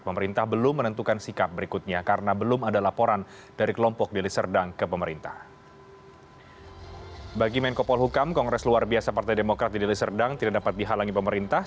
pemerintah belum menentukan sikap berikutnya karena belum ada laporan dari kelompok dili serdang ke pemerintah